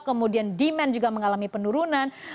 kemudian demand juga mengalami penurunan